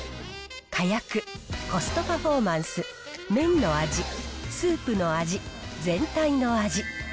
かやく、コストパフォーマンス、麺の味、スープの味、全体の味。